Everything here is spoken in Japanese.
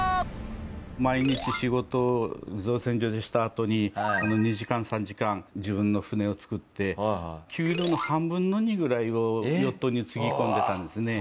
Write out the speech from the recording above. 毎日仕事を造船所でしたあとに２時間３時間自分の船を作って給料の３分の２ぐらいをヨットにつぎ込んでたんですね。